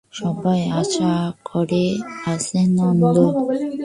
সবাই আশা করে আছে নন্দ।